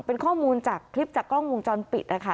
เป็นข้อมูลจากคลิปจากกล้องวงจรปิดนะคะ